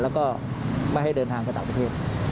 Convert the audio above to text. แล้วก็ไม่ให้เดินทางไปต่างประเทศ